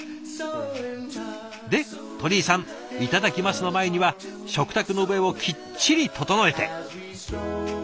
で鳥居さん「いただきます」の前には食卓の上をきっちり整えて。